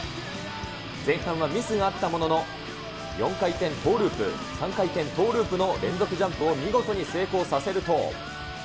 前半はミスがあったものの、４回転トーループ、３回転トーループの連続ジャンプを見事に成功させると。